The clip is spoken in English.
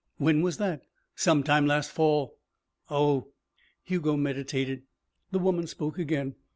"When was that?" "Some time last fall." "Oh." Hugo meditated. The woman spoke again.